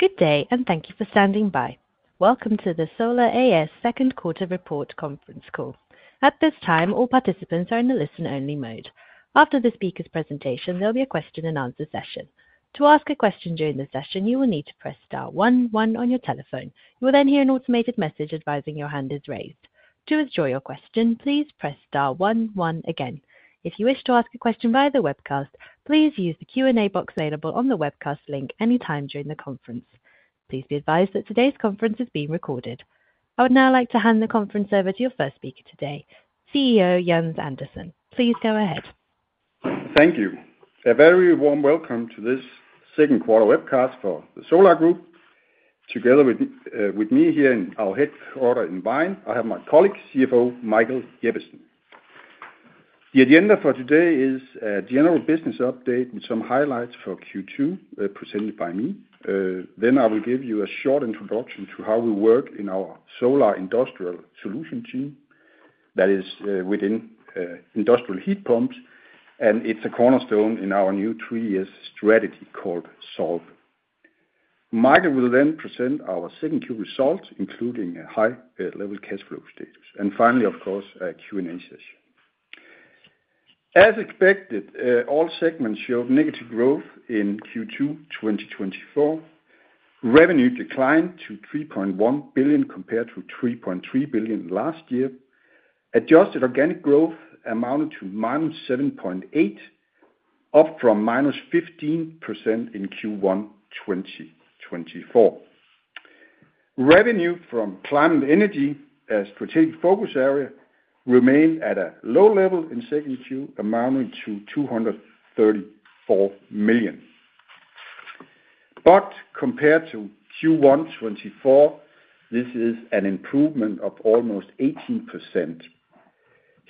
Good day, and thank you for standing by. Welcome to the Solar second quarter report conference call. At this time, all participants are in the listen-only mode. After the speaker's presentation, there'll be a question and answer session. To ask a question during the session, you will need to press star one one on your telephone. You will then hear an automated message advising your hand is raised. To withdraw your question, please press star one one again. If you wish to ask a question via the webcast, please use the Q&A box available on the webcast link anytime during the conference. Please be advised that today's conference is being recorded. I would now like to hand the conference over to your first speaker today, CEO Jens Andersen. Please go ahead. Thank you. A very warm welcome to this second quarter webcast for Solar. Together with, with me here in our headquarters in Vejle, I have my colleague, CFO, Michael Jeppesen. The agenda for today is a general business update and some highlights for Q2, presented by me. Then I will give you a short introduction to how we work in our Solar Industrial Solutions team. That is, within, industrial heat pumps, and it's a cornerstone in our new three-year strategy called Solve. Michael will then present our second Q results, including a high, level cash flow status, and finally, of course, a Q&A session. As expected, all segments showed negative growth in Q2, 2024. Revenue declined to 3.1 billion compared to 3.3 billion last year. Adjusted organic growth amounted to -7.8, up from -15% in Q1 2024. Revenue from climate energy as strategic focus area remained at a low level in Q2, amounting to 234 million. But compared to Q1 2024, this is an improvement of almost 18%.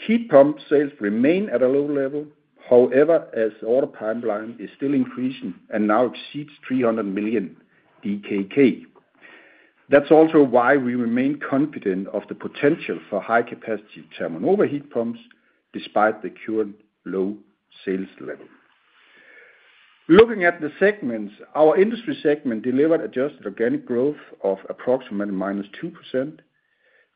Heat pump sales remain at a low level, however, as order pipeline is still increasing and now exceeds 300 million DKK. That's also why we remain confident of the potential for high-capacity ThermoNova heat pumps despite the current low sales level. Looking at the segments, our industry segment delivered adjusted organic growth of approximately -2%,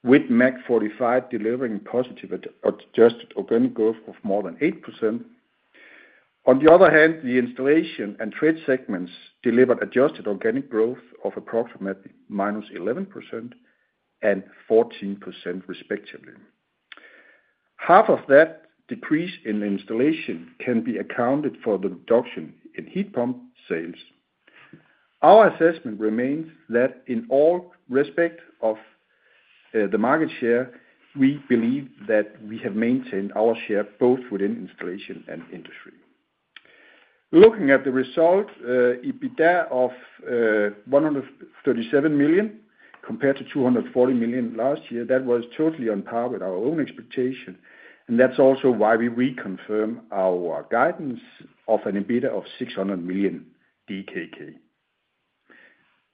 with MAG45 delivering positive adjusted organic growth of more than 8%. On the other hand, the installation and trade segments delivered adjusted organic growth of approximately -11% and 14%, respectively. Half of that decrease in installation can be accounted for the reduction in heat pump sales. Our assessment remains that in all respect of the market share, we believe that we have maintained our share, both within installation and industry. Looking at the results, EBITDA of 137 million, compared to 240 million last year, that was totally on par with our own expectation, and that's also why we reconfirm our guidance of an EBITDA of 600 million DKK.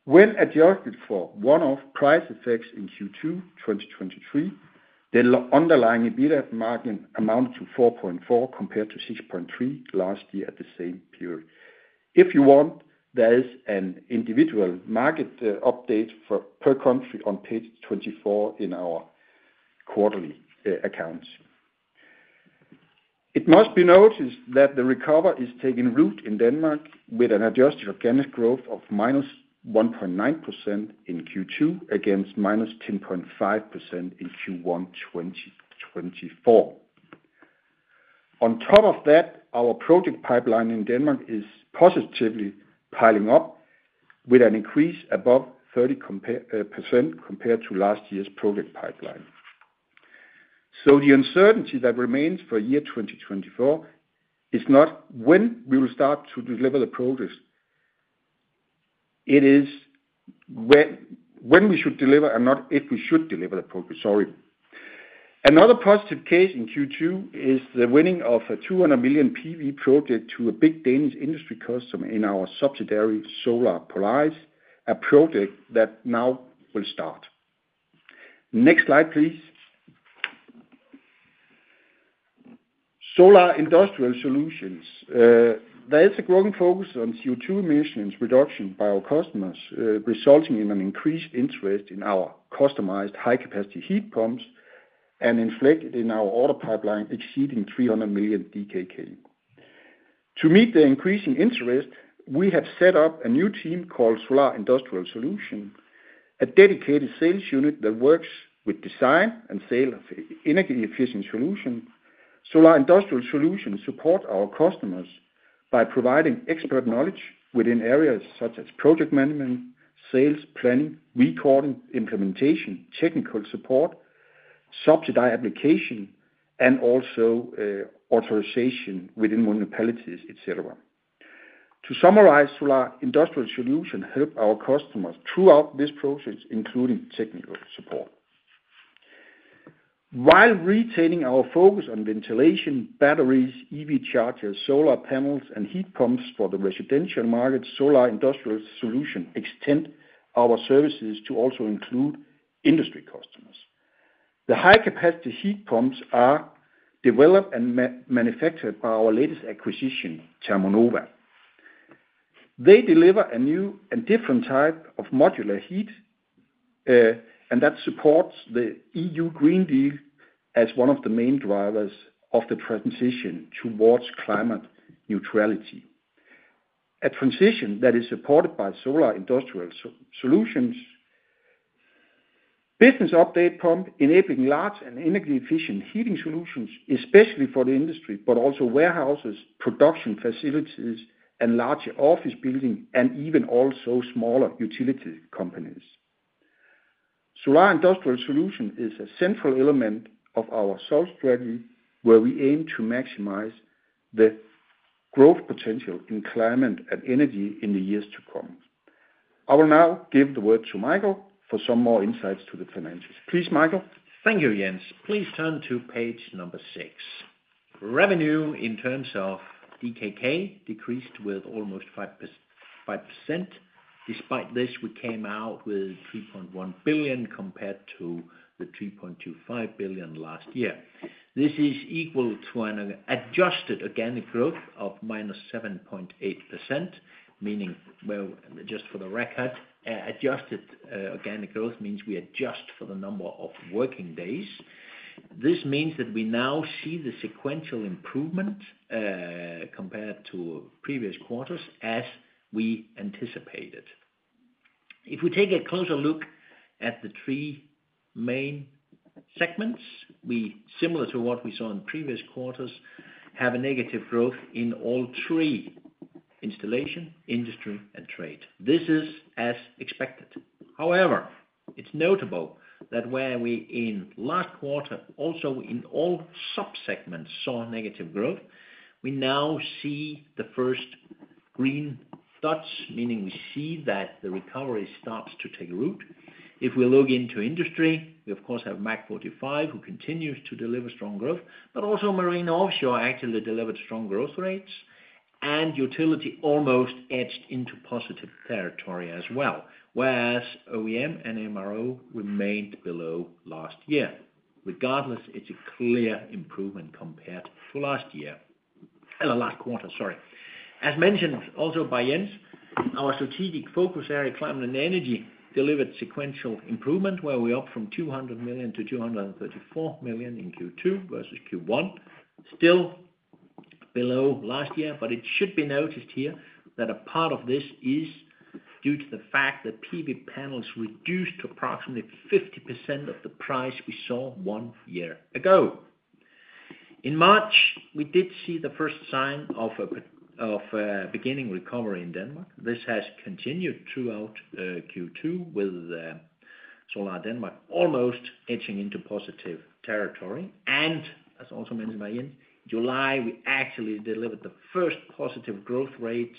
When adjusted for one-off price effects in Q2 2023, the underlying EBITDA margin amounted to 4.4, compared to 6.3 last year at the same period. If you want, there is an individual market update per country on page 24 in our quarterly accounts. It must be noticed that the recovery is taking root in Denmark with an adjusted organic growth of -1.9% in Q2, against -10.5% in Q1, 2024. On top of that, our project pipeline in Denmark is positively piling up with an increase above 30% compared to last year's project pipeline. So the uncertainty that remains for year 2024 is not when we will start to deliver the projects. It is when, when we should deliver and not if we should deliver the project. Sorry. Another positive case in Q2 is the winning of a 200 million PV project to a big Danish industry customer in our subsidiary, Solar Polaris, a project that now will start. Next slide, please. Solar Industrial Solutions. There is a growing focus on CO2 emissions reduction by our customers, resulting in an increased interest in our customized high-capacity heat pumps and reflected in our order pipeline, exceeding 300 million DKK. To meet the increasing interest, we have set up a new team called Solar Industrial Solutions, a dedicated sales unit that works with design and sale of energy-efficient solutions. Solar Industrial Solutions support our customers by providing expert knowledge within areas such as project management, sales, planning, engineering, implementation, technical support, subsidy application, and also, authorization within municipalities, et cetera. To summarize, Solar Industrial Solutions help our customers throughout this process, including technical support. While retaining our focus on ventilation, batteries, EV chargers, solar panels, and heat pumps for the residential market, Solar Industrial Solutions extend our services to also include industry customers. The high-capacity heat pumps are developed and manufactured by our latest acquisition, ThermoNova. They deliver a new and different type of modular heat, and that supports the EU Green Deal as one of the main drivers of the transition towards climate neutrality. A transition that is supported by Solar Industrial Solutions. Big heat pumps, enabling large and energy-efficient heating solutions, especially for the industry, but also warehouses, production facilities, and larger office building, and even also smaller utility companies. Solar Industrial Solutions is a central element of our Solar strategy, where we aim to maximize the growth potential in climate and energy in the years to come. I will now give the word to Michael for some more insights to the financials. Please, Michael. Thank you, Jens. Please turn to page 6. Revenue in terms of DKK decreased with almost 5%, 5%. Despite this, we came out with 3.1 billion compared to the 3.25 billion last year. This is equal to an adjusted organic growth of -7.8%, meaning, well, just for the record, adjusted organic growth means we adjust for the number of working days. This means that we now see the sequential improvement, compared to previous quarters, as we anticipated. If we take a closer look at the three main segments, we, similar to what we saw in previous quarters, have a negative growth in all three: installation, industry, and trade. This is as expected. However, it's notable that where we, in last quarter, also in all sub-segments, saw negative growth, we now see the first green dots, meaning we see that the recovery starts to take root. If we look into industry, we of course have MAG45, who continues to deliver strong growth, but also Marine Offshore actually delivered strong growth rates, and utility almost edged into positive territory as well, whereas OEM and MRO remained below last year. Regardless, it's a clear improvement compared to last quarter. As mentioned, also by Jens, our strategic focus area, Climate and Energy, delivered sequential improvement, where we're up from 200 million to 234 million in Q2 versus Q1. Still below last year, but it should be noticed here that a part of this is due to the fact that PV panels reduced to approximately 50% of the price we saw one year ago. In March, we did see the first sign of a beginning recovery in Denmark. This has continued throughout Q2 with Solar Denmark almost edging into positive territory. And as also mentioned by Jens, July, we actually delivered the first positive growth rates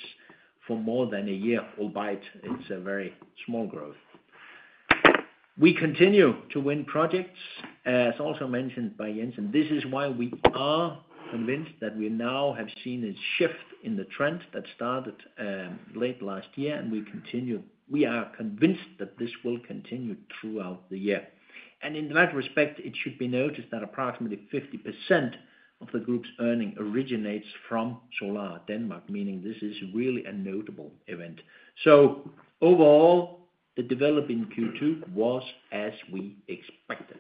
for more than a year, albeit it's a very small growth. We continue to win projects, as also mentioned by Jens, and this is why we are convinced that we now have seen a shift in the trend that started late last year, and we are convinced that this will continue throughout the year. In that respect, it should be noticed that approximately 50% of the group's earnings originates from Solar Denmark, meaning this is really a notable event. So overall, the development in Q2 was as we expected.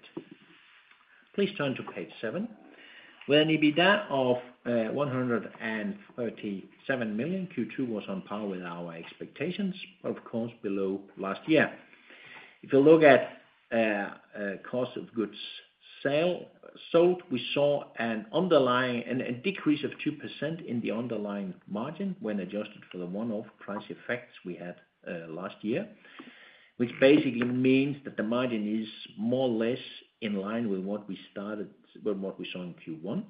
Please turn to page seven. With an EBITDA of 137 million, Q2 was on par with our expectations, of course, below last year. If you look at cost of goods sold, we saw an underlying decrease of 2% in the underlying margin when adjusted for the one-off price effects we had last year, which basically means that the margin is more or less in line with what we started, with what we saw in Q1.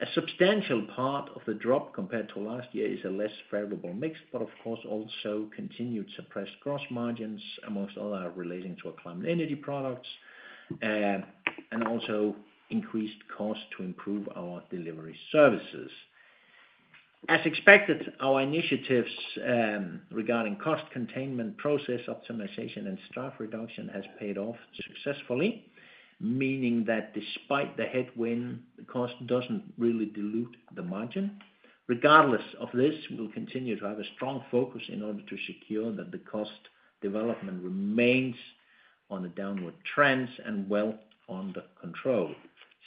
A substantial part of the drop compared to last year is a less favorable mix, but of course, also continued suppressed gross margins, among all our relating to our climate energy products, and also increased cost to improve our delivery services. As expected, our initiatives regarding cost containment, process optimization, and staff reduction has paid off successfully, meaning that despite the headwind, the cost doesn't really dilute the margin. Regardless of this, we'll continue to have a strong focus in order to secure that the cost development remains on a downward trend and well under control.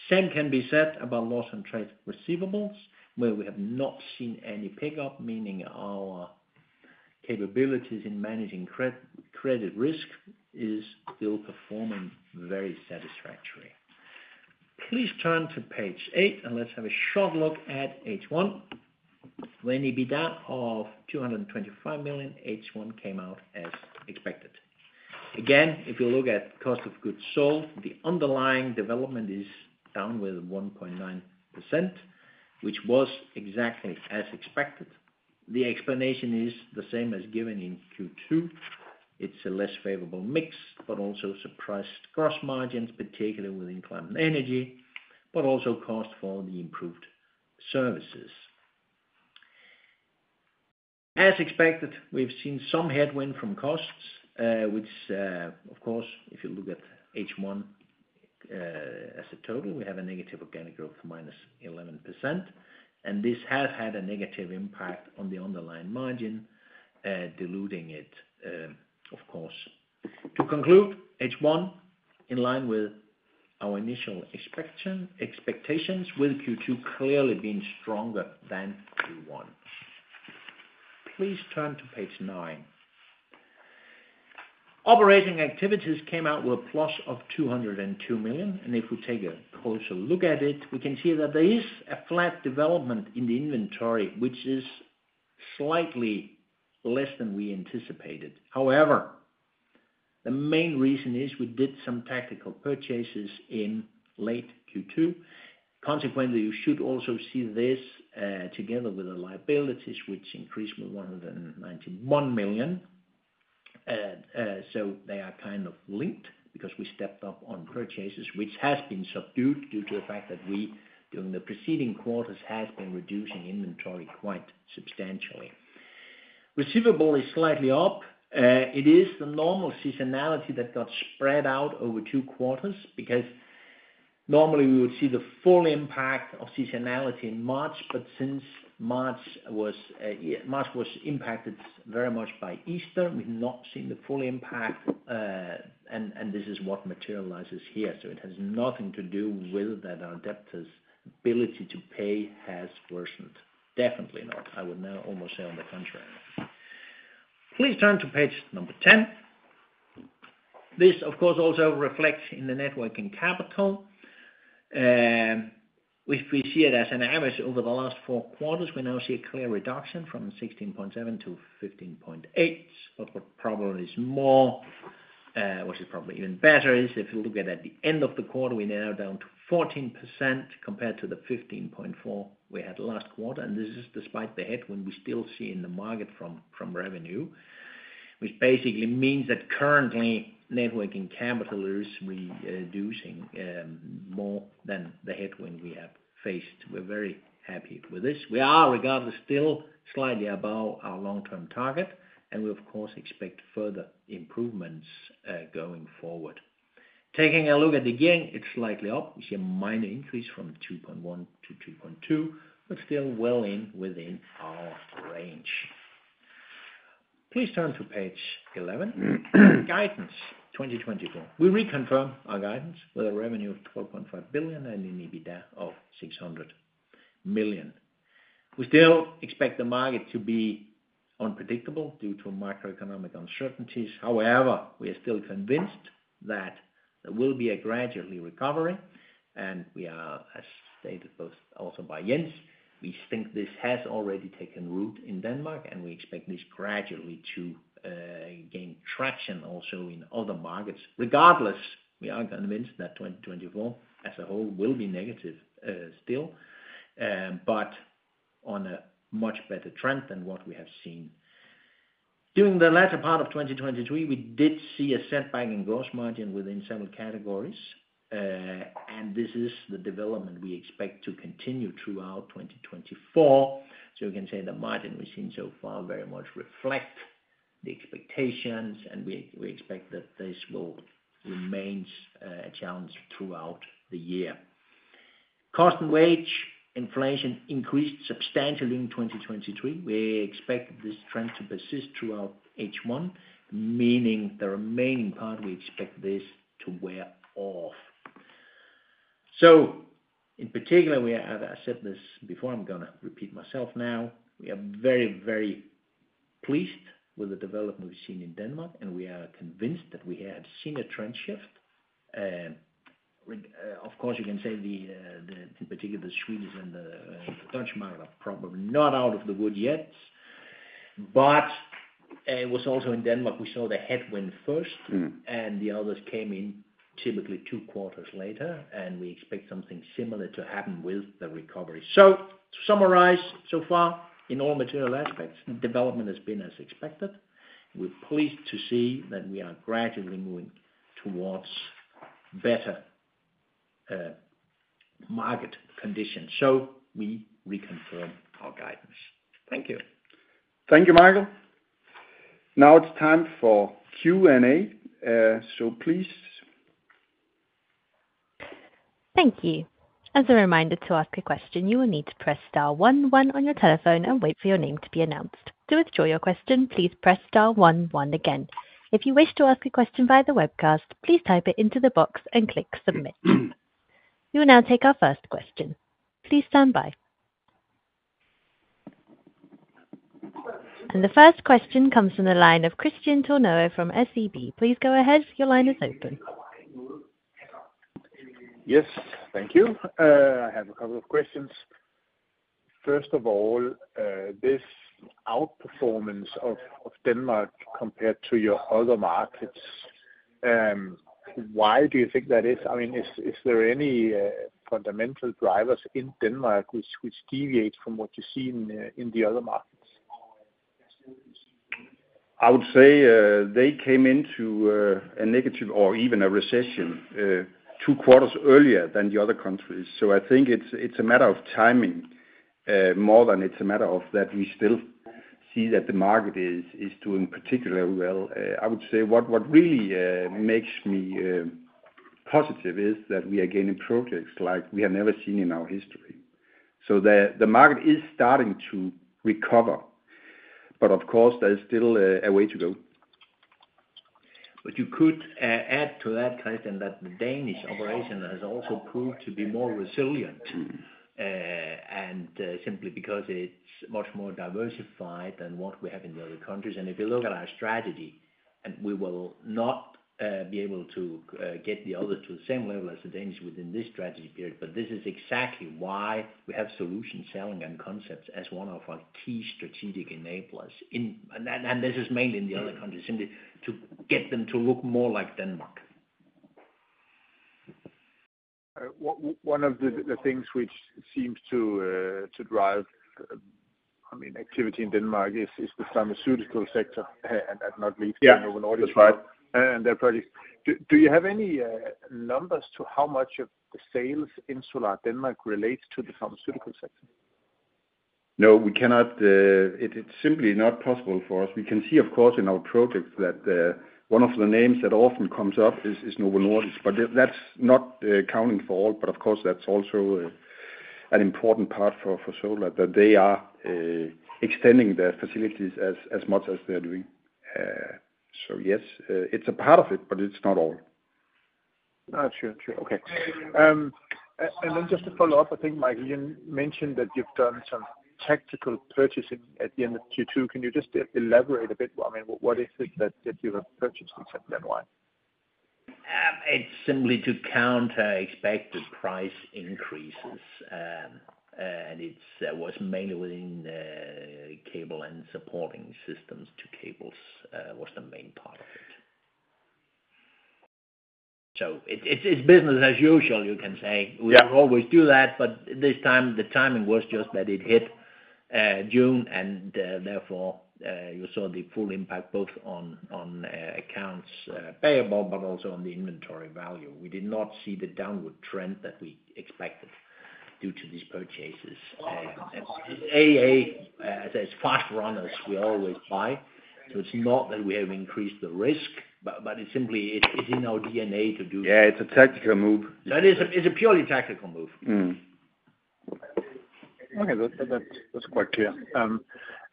Same can be said about losses and trade receivables, where we have not seen any pickup, meaning our capabilities in managing credit risk is still performing very satisfactory. Please turn to page eight, and let's have a short look at H1. With an EBITDA of 225 million, H1 came out as expected. Again, if you look at cost of goods sold, the underlying development is down with 1.9%, which was exactly as expected. The explanation is the same as given in Q2. It's a less favorable mix, but also suppressed gross margins, particularly within climate and energy, but also cost for the improved services. As expected, we've seen some headwind from costs, which, of course, if you look at H1, as a total, we have a negative organic growth minus 11%, and this has had a negative impact on the underlying margin, diluting it, of course. To conclude, H1, in line with our initial expectations, with Q2 clearly being stronger than Q1. Please turn to page nine. Operating activities came out with a plus of 202 million, and if we take a closer look at it, we can see that there is a flat development in the inventory, which is slightly less than we anticipated. However, the main reason is we did some tactical purchases in late Q2. Consequently, you should also see this, together with the liabilities, which increased with 191 million. So they are kind of linked because we stepped up on purchases, which has been subdued due to the fact that we, during the preceding quarters, has been reducing inventory quite substantially. Receivable is slightly up. It is the normal seasonality that got spread out over two quarters, because normally we would see the full impact of seasonality in March, but since March was impacted very much by Easter, we've not seen the full impact, and this is what materializes here. So it has nothing to do with that our debtors' ability to pay has worsened. Definitely not. I would now almost say on the contrary. Please turn to page number 10. This, of course, also reflects in the net working capital. If we see it as an average over the last four quarters, we now see a clear reduction from 16.7-15.8. But what probably is more, which is probably even better, is if you look at, at the end of the quarter, we are now down to 14% compared to the 15.4 we had last quarter, and this is despite the headwind we still see in the market from, from revenue, which basically means that currently net working capital is reducing, more than the headwind we have faced. We're very happy with this. We are, regardless, still slightly above our long-term target, and we, of course, expect further improvements, going forward. Taking a look at the gain, it's slightly up. We see a minor increase from 2.1-2.2, but still well within our range. Please turn to page 11. Guidance 2024. We reconfirm our guidance with a revenue of 12.5 billion and an EBITDA of 600 million. We still expect the market to be unpredictable due to macroeconomic uncertainties. However, we are still convinced that there will be a gradually recovery, and we are, as stated both also by Jens, we think this has already taken root in Denmark, and we expect this gradually to gain traction also in other markets. Regardless, we are convinced that 2024, as a whole, will be negative, still, but on a much better trend than what we have seen. During the latter part of 2023, we did see a set back in gross margin within several categories, and this is the development we expect to continue throughout 2024. So we can say the margin we've seen so far very much reflect the expectations, and we expect that this will remains a challenge throughout the year. Cost and wage inflation increased substantially in 2023. We expect this trend to persist throughout H1, meaning the remaining part, we expect this to wear off. So in particular, we have... I said this before, I'm gonna repeat myself now. We are very, very pleased with the development we've seen in Denmark, and we are convinced that we have seen a trend shift. Of course, you can say the, in particular, the Swedish and the Dutch market are probably not out of the wood yet, but it was also in Denmark, we saw the headwind first- Mm. and the others came in typically two quarters later, and we expect something similar to happen with the recovery. So to summarize, so far, in all material aspects, development has been as expected. We're pleased to see that we are gradually moving towards better market conditions, so we reconfirm our guidance. Thank you. Thank you, Michael. Now it's time for Q&A. So please. Thank you. As a reminder, to ask a question, you will need to press star one one on your telephone and wait for your name to be announced. To withdraw your question, please press star one one again. If you wish to ask a question via the webcast, please type it into the box and click Submit. We will now take our first question. Please stand by. The first question comes from the line of Christian Tornow from SEB. Please go ahead. Your line is open. Yes, thank you. I have a couple of questions. First of all, this outperformance of Denmark compared to your other markets, why do you think that is? I mean, is there any fundamental drivers in Denmark which deviate from what you see in the other markets?... I would say, they came into a negative or even a recession two quarters earlier than the other countries. So I think it's a matter of timing more than it's a matter of that we still see that the market is doing particularly well. I would say what really makes me positive is that we are gaining projects like we have never seen in our history. So the market is starting to recover, but of course, there is still a way to go. But you could add to that, Christian, that the Danish operation has also proved to be more resilient, and simply because it's much more diversified than what we have in the other countries. And if you look at our strategy, and we will not be able to get the other to the same level as the Danish within this strategy period, but this is exactly why we have solution selling and concepts as one of our key strategic enablers. And this is mainly in the other countries, simply to get them to look more like Denmark. One of the things which seems to drive, I mean, activity in Denmark is the pharmaceutical sector, and not least- Yeah, that's right. Their projects. Do you have any numbers to how much of the sales in Solar Denmark relates to the pharmaceutical sector? No, we cannot. It's simply not possible for us. We can see, of course, in our projects that one of the names that often comes up is Novo Nordisk, but that's not accounting for all. But of course, that's also an important part for Solar, that they are extending their facilities as much as they're doing. So yes, it's a part of it, but it's not all. Ah, sure, sure. Okay. And then just to follow up, I think, Michael, you mentioned that you've done some tactical purchasing at the end of Q2. Can you just elaborate a bit? I mean, what is it that you have purchased and why? It's simply to counter expected price increases. And it was mainly within cable and supporting systems to cables was the main part of it. So it's business as usual, you can say. Yeah. We always do that, but this time, the timing was just that it hit June, and therefore you saw the full impact, both on accounts payable, but also on the inventory value. We did not see the downward trend that we expected due to these purchases. And as fast runners, we always buy. So it's not that we have increased the risk, but it's simply it's in our DNA to do- Yeah, it's a tactical move. That is, it's a purely tactical move. Mm. Okay, that's quite clear.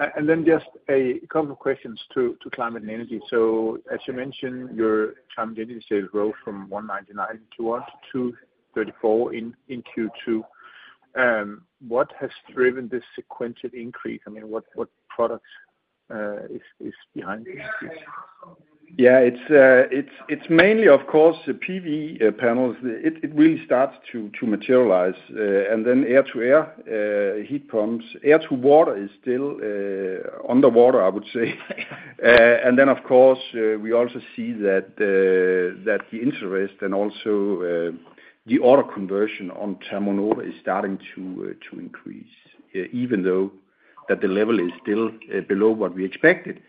And then just a couple of questions to climate and energy. So as you mentioned, your climate energy sales growth from 199 to 234 in Q2. What has driven this sequential increase? I mean, what products is behind this? Yeah, it's mainly, of course, the PV panels. It really starts to materialize, and then air-to-air heat pumps. Air-to-water is still on the water, I would say. And then, of course, we also see that the interest and also the order conversion on ThermoNova is starting to increase, even though that the level is still below what we expected.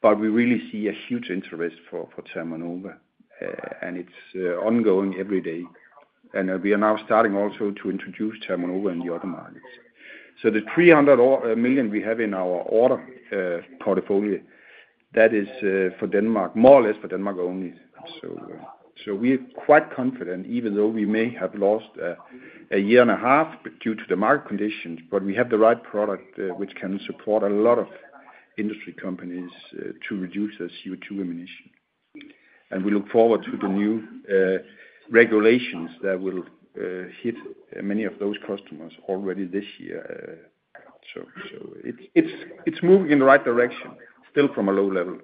But we really see a huge interest for ThermoNova, and it's ongoing every day. And we are now starting also to introduce ThermoNova in the other markets. So the 300 million we have in our order portfolio, that is for Denmark, more or less for Denmark only. So we're quite confident, even though we may have lost a year and a half, but due to the market conditions, but we have the right product, which can support a lot of industry companies, to reduce their CO2 emission. And we look forward to the new regulations that will hit many of those customers already this year. So it's moving in the right direction, still from a low level.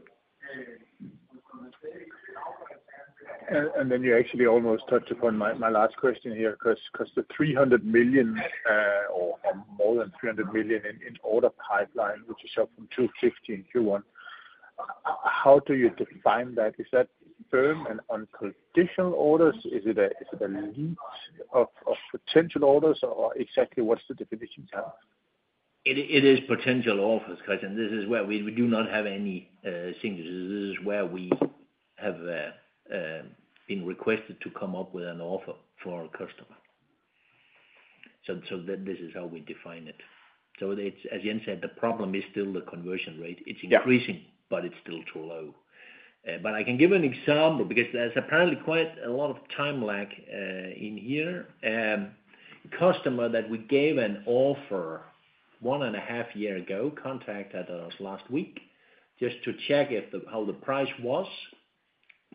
And then you actually almost touched upon my last question here, 'cause the 300 million, or more than 300 million in order pipeline, which is up from 250 in Q1, how do you define that? Is that firm and unconditional orders? Is it a lead of potential orders, or exactly what's the definition there? It is potential offers, Christian. This is where we do not have any signatures. This is where we have been requested to come up with an offer for our customer. So this is how we define it. So it's, as Jens said, the problem is still the conversion rate. Yeah. It's increasing, but it's still too low. But I can give an example, because there's apparently quite a lot of time lag, in here. Customer that we gave an offer 1.5 years ago, contacted us last week just to check if the, how the price was,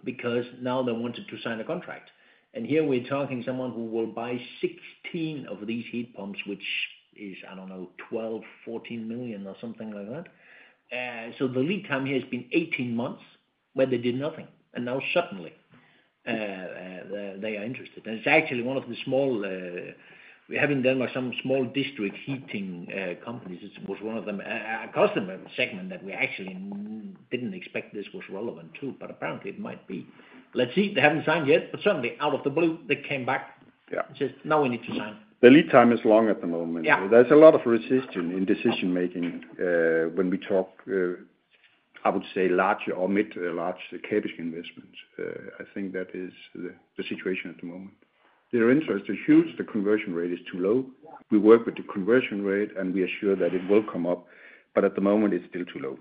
because now they wanted to sign a contract. And here we're talking someone who will buy 16 of these heat pumps, which is, I don't know, 12-14 million or something like that. So the lead time here has been 18 months, where they did nothing, and now suddenly, they are interested. And it's actually one of the small... We have in Denmark, some small district heating, companies. It was one of them, a, a customer segment that we actually didn't expect this was relevant to, but apparently it might be. Let's see. They haven't signed yet, but suddenly, out of the blue, they came back.... Yeah. Just now we need to sign. The lead time is long at the moment. Yeah. There's a lot of resistance in decision-making, when we talk, I would say larger or mid to large capital investments. I think that is the situation at the moment. Their interest is huge, the conversion rate is too low. We work with the conversion rate, and we are sure that it will come up, but at the moment it's still too low.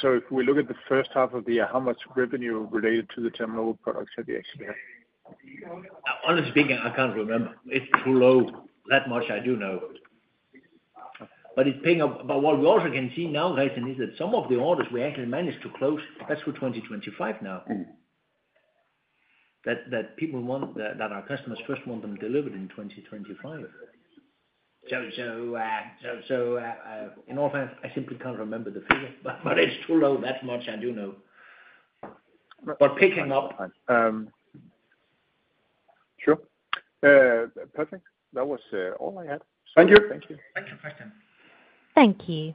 So if we look at the first half of the year, how much revenue related to the terminal products have you actually had? Honestly speaking, I can't remember. It's too low, that much I do know. But it's picking up. But what we also can see now, Christian, is that some of the orders we actually managed to close, that's for 2025 now. That, that people want, that, that our customers first want them delivered in 2025. So, in all fairness, I simply can't remember the figure, but, but it's too low, that much I do know. But picking up. Sure. Perfect. That was all I had. Thank you. Thank you. Thank you, Christian. Thank you.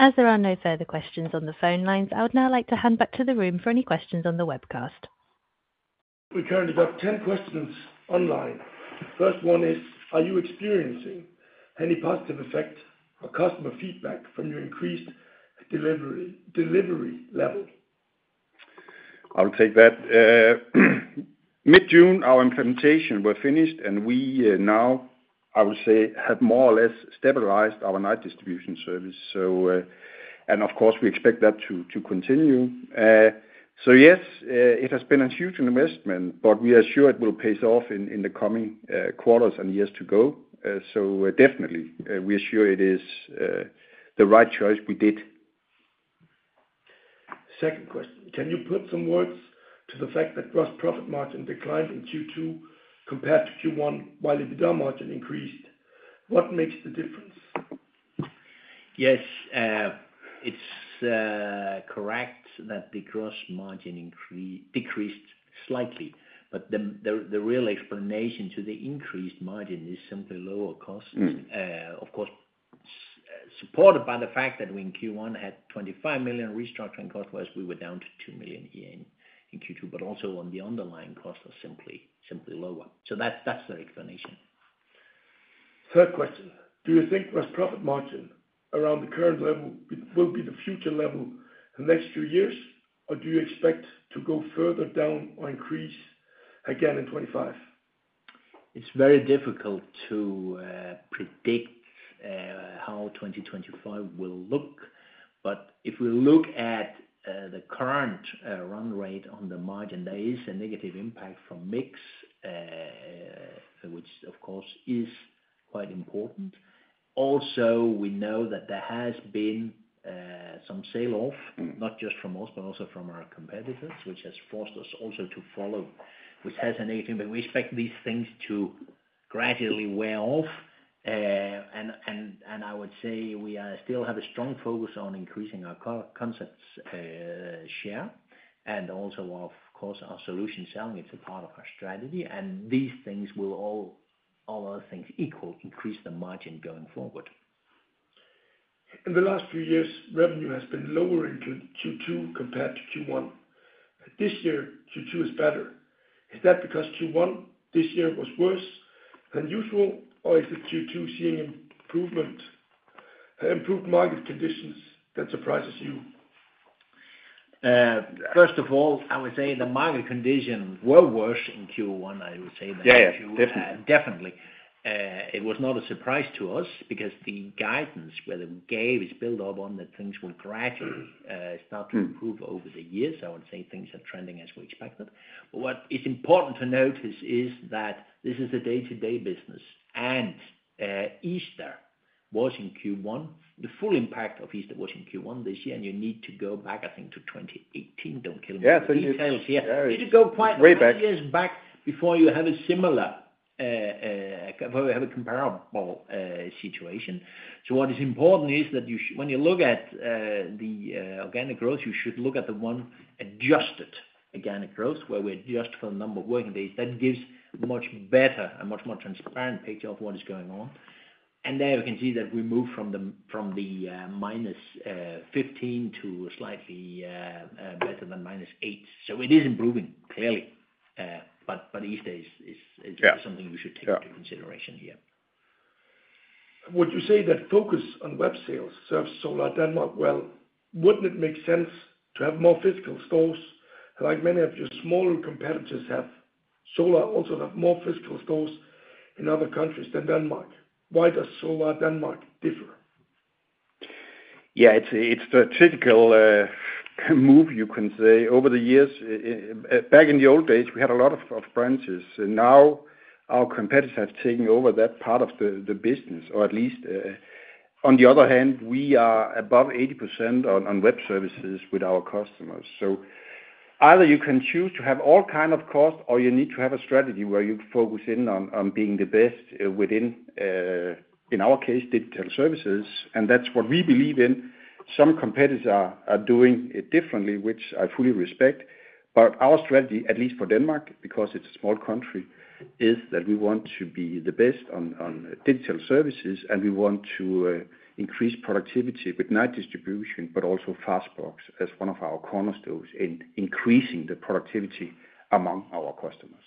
As there are no further questions on the phone lines, I would now like to hand back to the room for any questions on the webcast. We currently have 10 questions online. First one is: Are you experiencing any positive effect or customer feedback from your increased delivery, delivery level? I'll take that. Mid-June, our implementation were finished, and we now, I would say, have more or less stabilized our night distribution service. So... And of course, we expect that to continue. So yes, it has been a huge investment, but we are sure it will pay off in the coming quarters and years to go. So definitely, we are sure it is the right choice we did. Second question: Can you put some words to the fact that gross profit margin declined in Q2 compared to Q1, while EBITDA margin increased? What makes the difference? Yes, it's correct that the gross margin decreased slightly, but the real explanation to the increased margin is simply lower cost. Mm. Of course, supported by the fact that we, in Q1, had 25 million restructuring costs, whereas we were down to DKK 2 million in Q2, but also on the underlying costs are simply, simply lower. So that, that's the explanation. Third question: Do you think gross profit margin around the current level will be the future level the next few years, or do you expect to go further down or increase again in 2025? It's very difficult to predict how 2025 will look, but if we look at the current run rate on the margin, there is a negative impact from mix, which of course is quite important. Also, we know that there has been some sale off- Mm... not just from us, but also from our competitors, which has forced us also to follow, which has a negative, but we expect these things to gradually wear off. And I would say we still have a strong focus on increasing our core concepts share, and also, of course, our solution selling. It's a part of our strategy, and these things will all other things equal, increase the margin going forward. In the last few years, revenue has been lower in Q2 compared to Q1. This year, Q2 is better. Is that because Q1 this year was worse than usual, or is it Q2 seeing improvement, improved market conditions that surprise you? First of all, I would say the market conditions were worse in Q1. I would say that- Yeah, yeah, definitely. Definitely. It was not a surprise to us, because the guidance where they gave is built up on that things will gradually start to improve- Mm... over the years. I would say things are trending as we expected. What is important to notice is that this is a day-to-day business, and Easter was in Q1. The full impact of Easter was in Q1 this year, and you need to go back, I think, to 2018. Don't kill me- Yeah... on the details here. Very. You need to go quite- Way back... years back before you have a similar where we have a comparable situation. So what is important is that when you look at the organic growth, you should look at the one Adjusted organic growth, where we adjust for number of working days. That gives much better and much more transparent picture of what is going on. And there, we can see that we moved from the minus 15 to slightly better than minus eight. So it is improving, clearly. But these days is- Yeah... is something we should take- Yeah... into consideration here. Would you say that focus on web sales serves Solar Denmark well? Wouldn't it make sense to have more physical stores, like many of your smaller competitors have? Solar also have more physical stores in other countries than Denmark. Why does Solar Denmark differ? Yeah, it's the typical move, you can say, over the years. Back in the old days, we had a lot of branches. Now, our competitors have taken over that part of the business, or at least... On the other hand, we are above 80% on web services with our customers. So either you can choose to have all kind of cost, or you need to have a strategy where you focus in on being the best within, in our case, digital services, and that's what we believe in. Some competitors are doing it differently, which I fully respect, but our strategy, at least for Denmark, because it's a small country, is that we want to be the best on digital services, and we want to increase productivity with night distribution, but also Fastbox, as one of our cornerstones in increasing the productivity among our customers....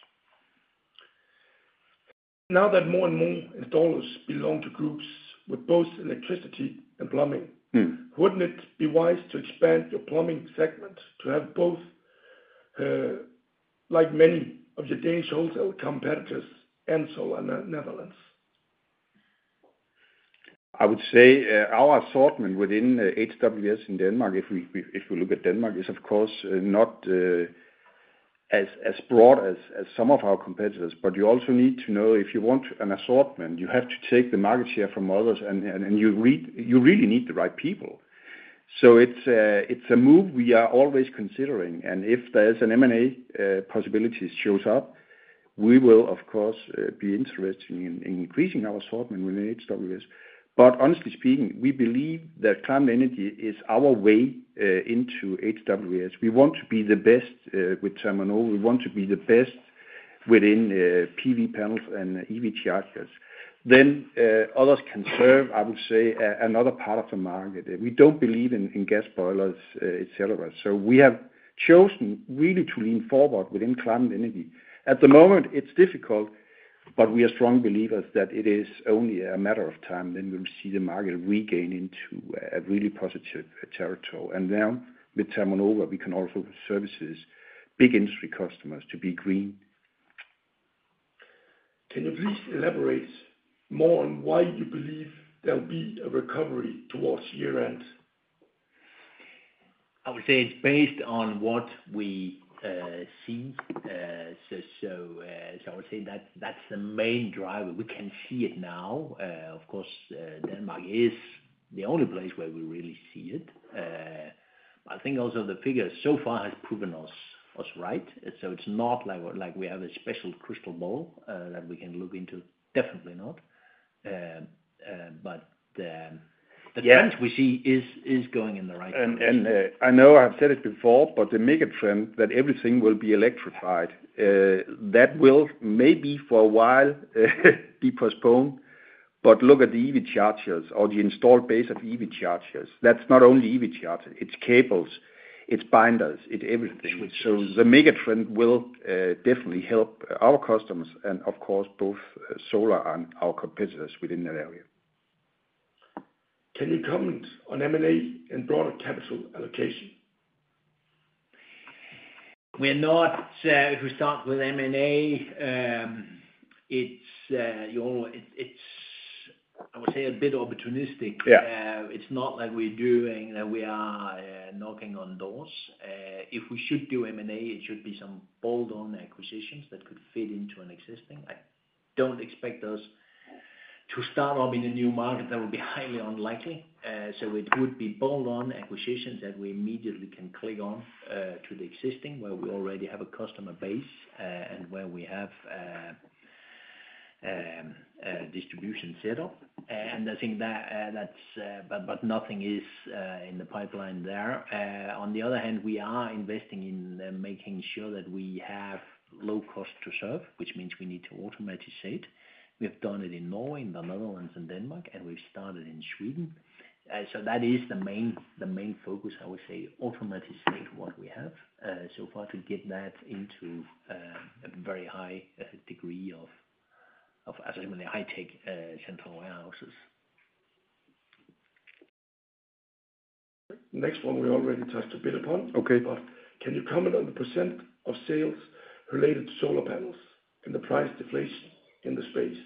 Now that more and more installers belong to groups with both electricity and plumbing, wouldn't it be wise to expand your plumbing segment to have both, like many of your Danish wholesale competitors and so on, Netherlands? I would say, our assortment within HWS in Denmark, if we look at Denmark, is of course not as broad as some of our competitors. But you also need to know if you want an assortment, you have to take the market share from others, and you really need the right people. So it's a move we are always considering, and if there's an M&A possibility shows up, we will of course be interested in increasing our assortment within HWS. But honestly speaking, we believe that climate energy is our way into HWS. We want to be the best with ThermoNova. We want to be the best within PV panels and EV chargers. Then others can serve, I would say, another part of the market. We don't believe in gas boilers, et cetera. So we have chosen really to lean forward within climate energy. At the moment, it's difficult, but we are strong believers that it is only a matter of time, then we'll see the market regain into a really positive territory. And now with ThermoNova, we can also services big industry customers to be green. Can you please elaborate more on why you believe there'll be a recovery towards year-end? I would say it's based on what we see. So I would say that's the main driver. We can see it now. Of course, Denmark is the only place where we really see it. But I think also the figures so far has proven us right. So it's not like we, like we have a special crystal ball that we can look into, definitely not. But the- Yeah... The trend we see is going in the right direction. I know I've said it before, but the mega trend that everything will be electrified, that will maybe for a while, be postponed. But look at the EV chargers or the installed base of EV chargers. That's not only EV chargers, it's cables, it's binders, it's everything. Which is- So the mega trend will definitely help our customers, and of course, both Solar and our competitors within that area. Can you comment on M&A and broader capital allocation? We're not. If we start with M&A, it's, you know, it's a bit opportunistic. Yeah. It's not like we're knocking on doors. If we should do M&A, it should be some bolt-on acquisitions that could fit into an existing. I don't expect us to start up in a new market, that would be highly unlikely. So it would be bolt-on acquisitions that we immediately can click on to the existing, where we already have a customer base and where we have a distribution set up. And I think that's... But nothing is in the pipeline there. On the other hand, we are investing in making sure that we have low cost to serve, which means we need to automate. We've done it in Norway, in the Netherlands, and Denmark, and we've started in Sweden. So that is the main, the main focus, I would say, automate state what we have so far to get that into a very high degree of actually high-tech central warehouses. Next one we already touched a bit upon. Okay. Can you comment on the percent of sales related to solar panels and the price deflation in the space?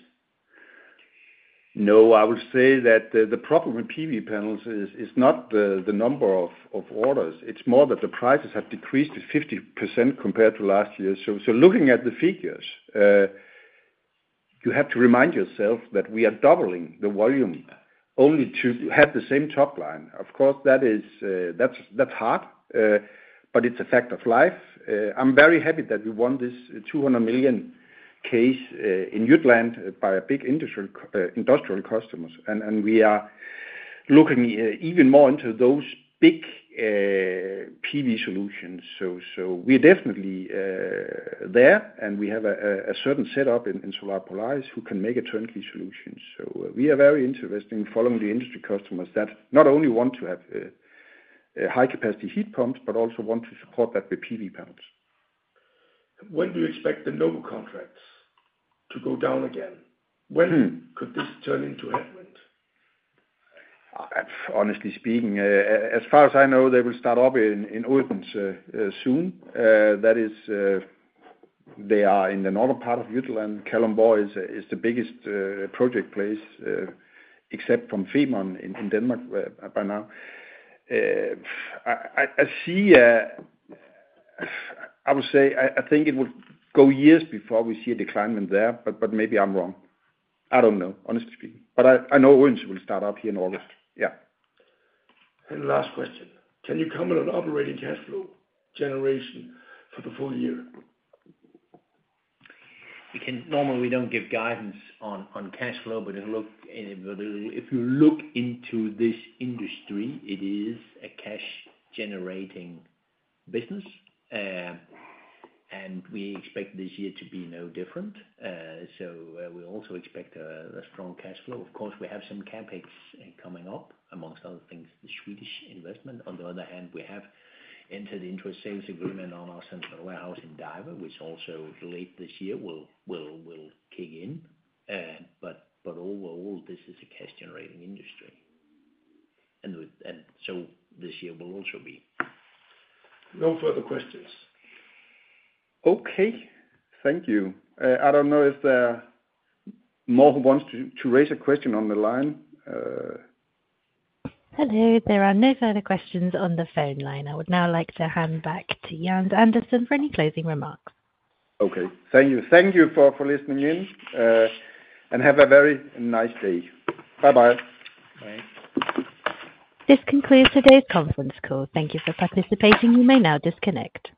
No, I would say that the problem with PV panels is not the number of orders. It's more that the prices have decreased to 50% compared to last year. So looking at the figures, you have to remind yourself that we are doubling the volume only to have the same top line. Of course, that is, that's hard, but it's a fact of life. I'm very happy that we won this 200 million case in Jutland by a big industrial customer. And we are looking even more into those big PV solutions. So we're definitely there, and we have a certain setup in Solar Polaris who can make a turnkey solution. We are very interested in following the industry customers that not only want to have a high-capacity heat pumps, but also want to support that with PV panels. When do you expect the Novo contracts to go down again? Mm. When could this turn into headwind? Honestly speaking, as far as I know, they will start up in Odense soon. That is, they are in the northern part of Jutland. Kalundborg is the biggest project place, except from Femern in Denmark by now. I see, I would say, I think it would go years before we see a decline in there, but maybe I'm wrong. I don't know, honestly speaking, but I know Odense will start up here in August. Yeah. Last question: Can you comment on operating cash flow generation for the full year? Normally, we don't give guidance on cash flow, but if you look, but if you look into this industry, it is a cash-generating business, and we expect this year to be no different. So, we also expect a strong cash flow. Of course, we have some CapEx coming up, amongst other things, the Swedish investment. On the other hand, we have entered into a sales agreement on our central warehouse in Deventer, which also late this year will kick in. But overall, this is a cash-generating industry, and so this year will also be. No further questions. Okay. Thank you. I don't know if there are more who wants to raise a question on the line. Hello, there are no further questions on the phone line. I would now like to hand back to Jens Andersen for any closing remarks. Okay. Thank you. Thank you for listening in, and have a very nice day. Bye-bye. Bye. This concludes today's conference call. Thank you for participating. You may now disconnect.